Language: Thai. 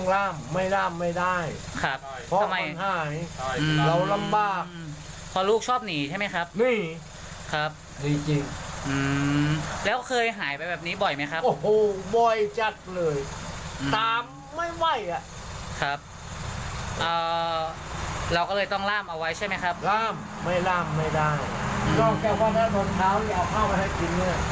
ล่ามไม่ได้แกบว่าถ้าน้องเท้าอยากเข้ามาให้กินนี่อย่าปล่อยให้เขาขาวพี่สักสักเดียวนี่